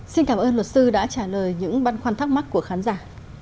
xin cảm ơn luật sư đã trả lời những băn khoăn thắc mắc của khán giả